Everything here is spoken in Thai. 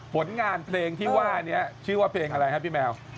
ผลงานเพลงที่ว่านี้ชื่อว่าเพลงอะไรครับพี่แมว